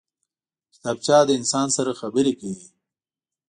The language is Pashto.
کتابچه له انسان سره خبرې کوي